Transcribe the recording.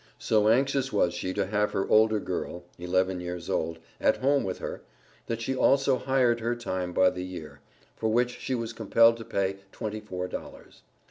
So anxious was she to have her older girl (eleven years old) at home with her, that she also hired her time by the year, for which she was compelled to pay twenty four dollars.